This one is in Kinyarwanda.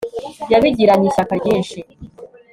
Yabigiranye ishyaka ryinshi